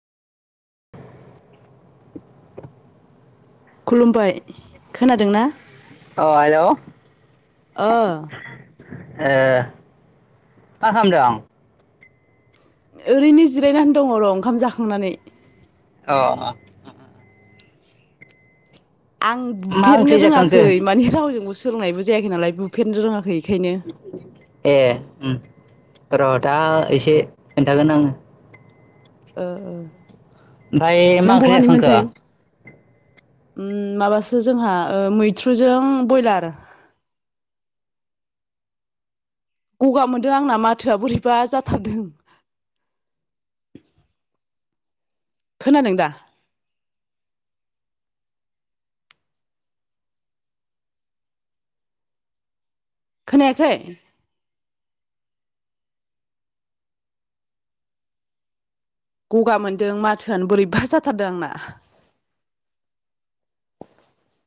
[unintelligible] खुलुमबाय खोनादों ना औ हेल' अ ए मा खालामदों ओरैनो जिरायनानै दङ र' ओंखाम जाखांनानै अ अ आं मा बुफेरनो ओंख्रि जाखांखो रोङाखै ए माने रावजोंबो सोलोंनायबो जायाखै नालाय बुफेरनो रोङाखै इखायनो ए उम र' दा इसे खोन्थागोन आङो ओ ओ ओमफ्राय मा नों ओंख्रि बहानि जाखांखो? मोन्थाय उम माबासो जोंहा ओ मैथ्रुजों बयलार गगा मोनदों आंना माथोआ बोरैबा जाथारदों खोनादों दा खोनायाखै गगा मोनदों माथोआनो बोरैबा जाथारदों आंना